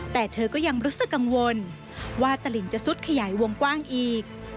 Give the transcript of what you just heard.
แต่เธอก็ยังรู้สึกกังวลว่าตลิ่งจะซุดขยายวงกว้างอีก